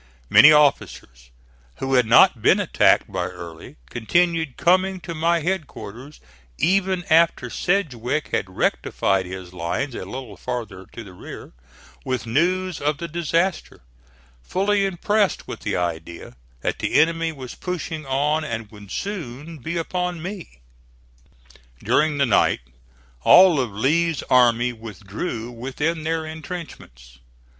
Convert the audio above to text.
Many officers, who had not been attacked by Early, continued coming to my headquarters even after Sedgwick had rectified his lines a little farther to the rear, with news of the disaster, fully impressed with the idea that the enemy was pushing on and would soon be upon me. During the night all of Lee's army withdrew within their intrenchments.